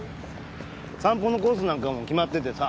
散歩のコースなんかも決まっててさ。